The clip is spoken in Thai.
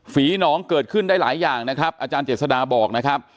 หนองเกิดขึ้นได้หลายอย่างนะครับอาจารย์เจษฎาบอกนะครับ